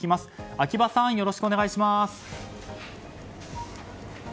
秋葉さん、よろしくお願いします。